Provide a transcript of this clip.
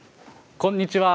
こんにちは。